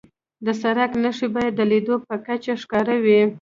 د سړک نښې باید د لید په کچه ښکاره وي.